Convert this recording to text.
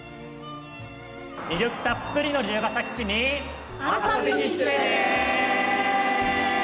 魅力たっぷりの龍ケ崎市に遊びに来てね！